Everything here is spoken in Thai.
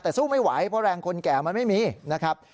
แต่สู้ไม่ไหวเพราะแรงคนแก่มันไม่มีนะครับ